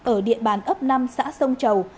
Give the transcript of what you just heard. ở địa bàn ấp năm xã sông chầu